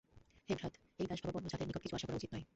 হে ভ্রাতঃ, এই দাসভাবাপন্ন জাতের নিকট কিছু আশা করা উচিত নয়।